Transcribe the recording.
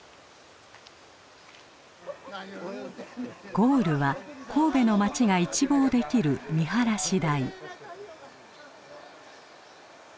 ゴールは神戸の町が一望できる見晴らし台。